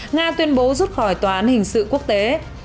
nga tuyên bố rút khỏi tòa án hình sự quốc tế